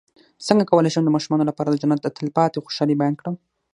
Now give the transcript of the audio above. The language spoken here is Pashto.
څنګه کولی شم د ماشومانو لپاره د جنت د تل پاتې خوشحالۍ بیان کړم